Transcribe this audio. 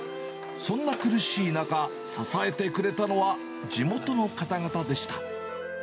そんな苦しい中、支えてくれたのは、地元の方々でした。